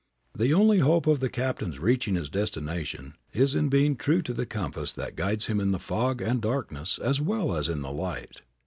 The only hope of the captain's reaching his destination is in being true to the compass that guides him in the fog and darkness as well as in the light.